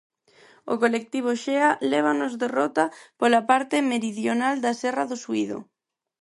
O colectivo Xea lévanos de rota pola parte meridional da Serra do Suído.